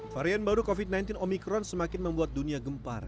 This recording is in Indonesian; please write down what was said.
varian baru covid sembilan belas omikron semakin membuat dunia gempar